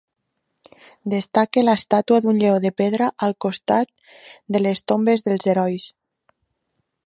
Destaca l'estàtua d'un lleó de pedra al costat de les tombes dels herois.